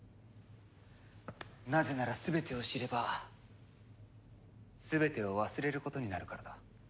なぜなら全てを知れば全てを忘れることになるからだ。